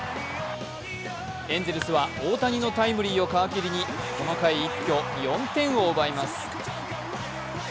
エンゼルスは大谷のタイムリーを皮切りにこの回一挙４点を奪います。